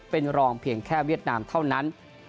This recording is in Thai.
เป็นรองเพียงแค่เวียดนามเท่านั้น